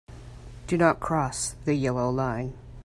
Do not cross the yellow line.